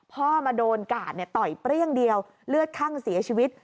พ่อมาโดนกาดต่อยเปรี้ยงเดียวเลือดคั่งเสียชีวิต